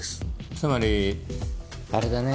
つまりあれだね。